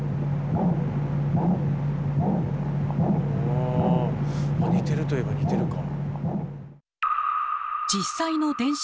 お似てるといえば似てるか。